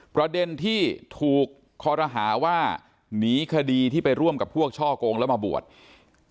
ประเด็นที่ถูกคอรหาว่าหนีคดีที่ไปร่วมกับพวกช่อกงแล้วมาบวช